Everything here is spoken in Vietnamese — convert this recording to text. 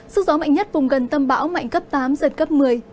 sức gió mạnh nhất vùng gần tâm bão mạnh cấp tám giật cấp một mươi